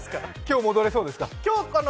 今日は戻れそうですか？